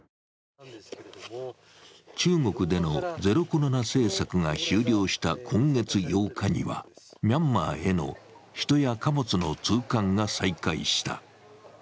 中国でのゼロコロナ政策が終了した今月８日にはミャンマーへの人や貨物の通関が再開した。